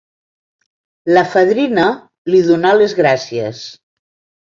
La fadrina li donà les gràcies.